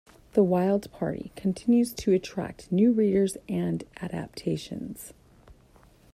"The Wild Party" continues to attract new readers and adaptations.